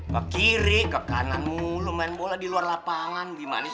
ke kiri ke kanan mulu main bola di luar lapangan gimana